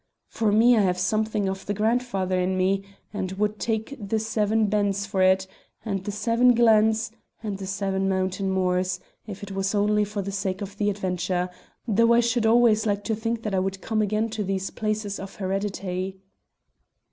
For me I have something of the grandfather in me, and would take the seven bens for it, and the seven glens, and the seven mountain moors, if it was only for the sake of the adventure, though I should always like to think that I would come again to these places of hered ity."